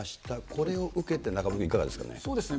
これを受けて、中丸君、いかがでそうですね。